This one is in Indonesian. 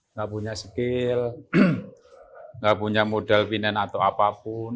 nggak punya skill nggak punya modal vinen atau apapun